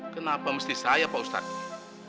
kenapa mesti saya pak ustadz ini